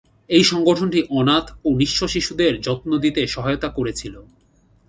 এই সংগঠনটি অনাথ ও নিঃস্ব শিশুদের যত্ন দিতে সহায়তা করেছিল।